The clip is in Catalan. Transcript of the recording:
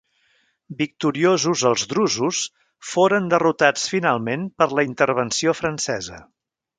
Victoriosos els drusos, foren derrotats finalment per la intervenció francesa.